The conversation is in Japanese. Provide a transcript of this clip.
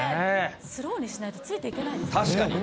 スローにしないとついていけ確かに。